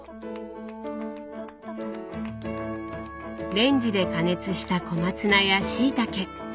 レンジで加熱した小松菜やしいたけ。